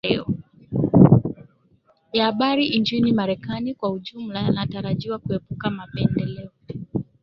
Ya habari nchini Marekani kwa ujumla yanatarajiwa kuepuka mapendeleo